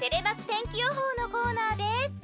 天気予報のコーナーです。